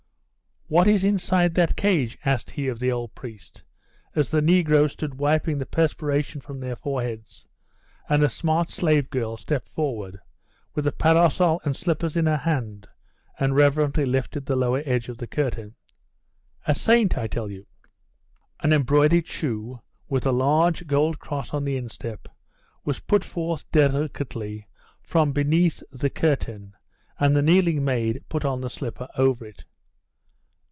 'What is inside that cage?' asked he of the old priest, as the negroes stood wiping the perspiration from their foreheads, and a smart slave girl stepped forward, with a parasol and slippers in her hand, and reverently lifted the lower edge of the curtain. 'A saint, I tell you!' An embroidered shoe, with a large gold cross on the instep, was put forth delicately from beneath the curtain, and the kneeling maid put on the slipper over it.